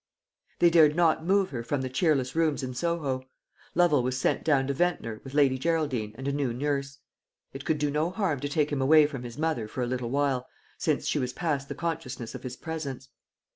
They dared not move her from the cheerless rooms in Soho. Lovel was sent down to Ventnor with Lady Geraldine and a new nurse. It could do no harm to take him away from his mother for a little while, since she was past the consciousness of his presence.